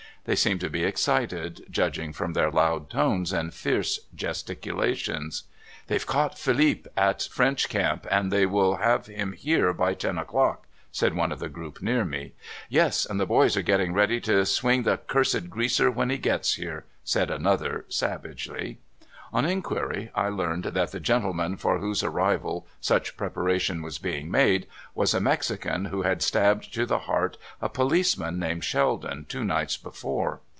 They seemed to be excited, judging from their loud tones and fierce gesticulations. " They have caught Felipe at French Camp, and they will have him here b}^ ten o'clock," said one of a group near me. *' Yes, and the boys are getting ready to swing the cursed greaser when he gets here,"' said an other, savagely. On inquir}^, I learned that the gentleman for whose arrival such preparation was being made was a Mexican who had stabbed to the heart a policeman named Sheldon two nights before.